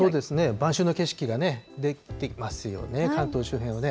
晩秋の景色が出来てますよね、関東周辺はね。